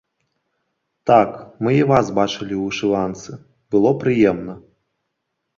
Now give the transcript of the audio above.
Так, мы і вас бачылі ў вышыванцы, было прыемна.